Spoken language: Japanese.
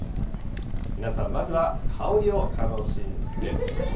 皆さん、まずは香りを楽しんで。